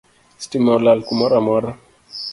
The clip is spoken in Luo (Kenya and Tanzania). Sitima olal kumoramora